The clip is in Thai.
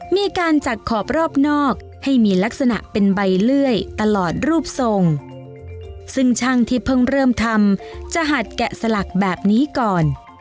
มีการจัดขอบรอบนอกให้มีลักษณะเป็นใบเลื่อยตลอดรูปทรงซึ่งช่างที่เพิ่งเริ่มทำจะหัดแกะสลักแบบนี้ก่อน